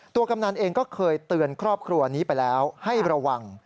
กำนันเองก็เคยเตือนครอบครัวนี้ไปแล้วให้ระวัง